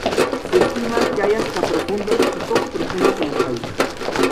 Se estima que hay hasta profundos y poco profundos en el país.